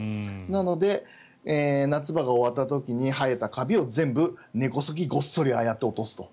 なので、夏場が終わった時に生えたカビを全部根こそぎごっそりああやって落とすと。